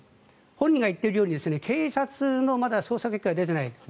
本人が言っているように警察の捜査結果がまだ出ていない。